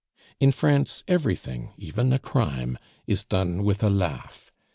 In France everything even a crime is done with a laugh.